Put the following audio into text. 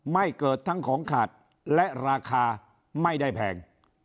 ไม่เกิดทั้งของขาดและราคาไม่ได้แพง